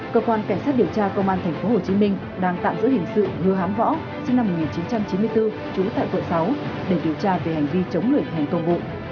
cơ quan cảnh sát điều tra công an tp hcm đang tạm giữ hình sự như hám võ sinh năm một nghìn chín trăm chín mươi bốn trú tại quận sáu để điều tra về hành vi chống người thành công vụ